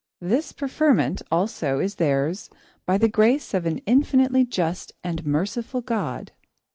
This preferment, also, is theirs by the grace of an infinitely just and merciful God.